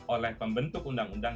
oleh pembentuk undang undang